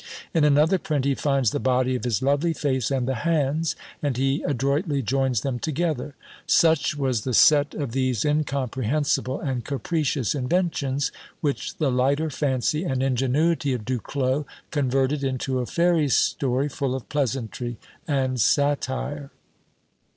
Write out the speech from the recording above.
In another print, he finds the body of his lovely face and the hands, and he adroitly joins them together. Such was the set of these incomprehensible and capricious inventions, which the lighter fancy and ingenuity of Du Clos converted into a fairy story, full of pleasantry and satire.